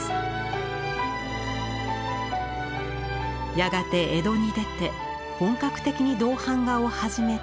やがて江戸に出て本格的に銅版画を始めた田善。